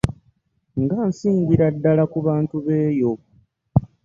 Nga nsingira ddala ku bantu b'eyo.